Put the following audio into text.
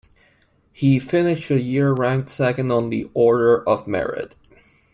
He finished the year ranked second on the Order of Merit.